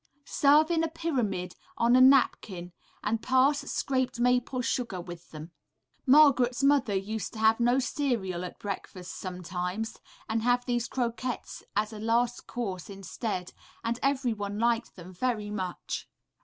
Serve in a pyramid, on a napkin, and pass scraped maple sugar with them. Margaret's mother used to have no cereal at breakfast sometimes, and have these croquettes as a last course instead, and every one liked them very much.